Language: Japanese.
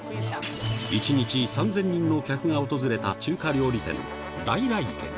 １日３０００人の客が訪れた中華料理店、来々軒。